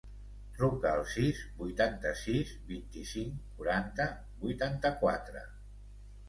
Truca al sis, vuitanta-sis, vint-i-cinc, quaranta, vuitanta-quatre.